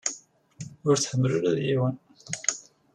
Ur tḥemmel ula d yiwen.